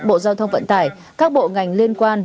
bộ giao thông vận tải các bộ ngành liên quan